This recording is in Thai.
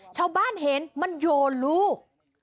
ชาวบ้านเห็นมันโยนลูก